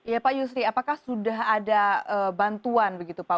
ya pak yusri apakah sudah ada bantuan begitu pak